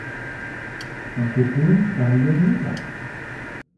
mku’um kayan lga